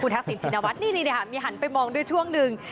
ทักษิณชินวัฒน์นี่มีหันไปมองด้วยช่วงหนึ่ง